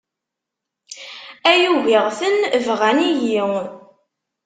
Ay ugiɣ-ten bɣan-iyi.